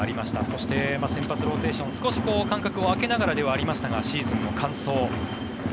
そして先発ローテーション少し間隔を空けながらではありましたがシーズンを完走。